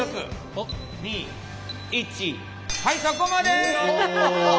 はいそこまで！